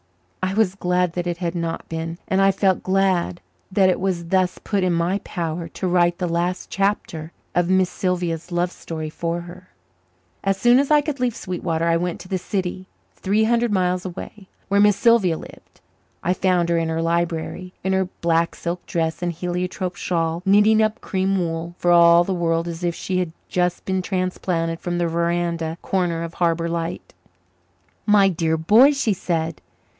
I was glad that it had not been; and I felt glad that it was thus put in my power to write the last chapter of Miss Sylvia's story for her. As soon as I could leave Sweetwater I went to the city, three hundred miles away, where Miss Sylvia lived. I found her in her library, in her black silk dress and heliotrope shawl, knitting up cream wool, for all the world as if she had just been transplanted from the veranda corner of Harbour Light. "My dear boy!" she said.